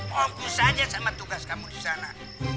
fokus saja sama tugas kamu di sana